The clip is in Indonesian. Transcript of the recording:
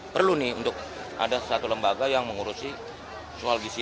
perlu nih untuk ada satu lembaga yang mengurusi soal gisi